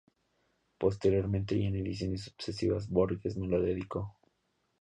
Posteriormente y en ediciones sucesivas, Borges me lo dedicó.